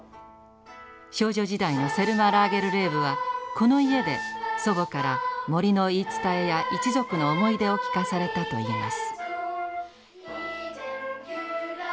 少女時代のセルマ・ラーゲルレーブはこの家で祖母から森の言い伝えや一族の思い出を聞かされたといいます。